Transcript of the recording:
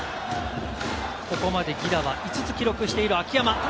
ここまで犠打は５つ記録している秋山。